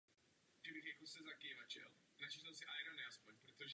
Nesměla působit jako kněz veřejně a mimo věznice.